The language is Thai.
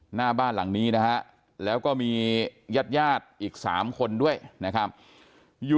หน้าบ้านหลังนี้นะฮะแล้วก็มีญาติญาติอีก๓คนด้วยนะครับอยู่